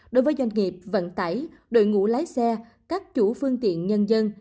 đối với doanh nghiệp vận tải đội ngũ lái xe các chủ phương tiện nhân dân